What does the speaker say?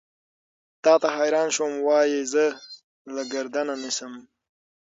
تا ته حېران شوم وائې زۀ يې له ګردنه نيسم